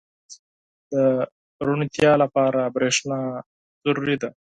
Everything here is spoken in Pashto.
• د روڼتیا لپاره برېښنا ضروري ده.